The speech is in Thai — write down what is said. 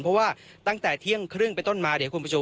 เพราะว่าตั้งแต่เที่ยงครึ่งไปต้นมา